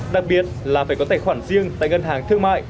đặc biệt là phải có tài khoản riêng tại ngân hàng thương mại